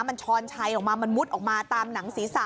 มันช้อนชัยออกมามันมุดออกมาตามหนังศีรษะ